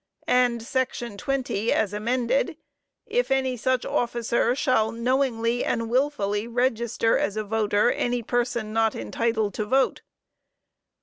(And Section 20 as amended) "If any such officer shall knowingly and wilfully register, as a voter any person not entitled to vote."